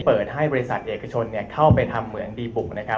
เปิดให้บริษัทเอกชนเข้าไปทำเหมืองดีบุกนะครับ